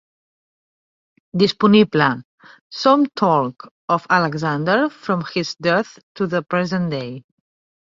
Disponible: "Some Talk of Alexander, from his death to the present day".